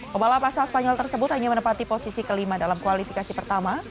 pembalap asal spanyol tersebut hanya menepati posisi ke lima dalam kualifikasi pertama